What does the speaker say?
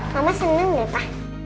mama seneng deh pa